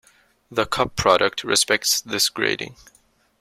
The cup product respects this grading.